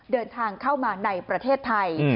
เดินทางเข้ามาในประเทศไทย